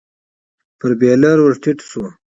پر بېلر ور ټيټ شو.